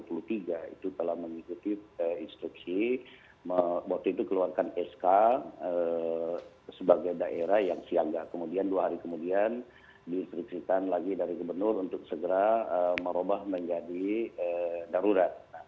itu telah mengikuti instruksi waktu itu keluarkan sk sebagai daerah yang siaga kemudian dua hari kemudian diinstruksikan lagi dari gubernur untuk segera merubah menjadi darurat